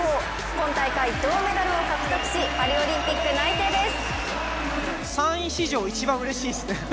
今大会銅メダルを獲得しパリオリンピック内定です。